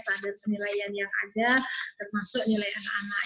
standar penilaian yang ada termasuk nilai anak anak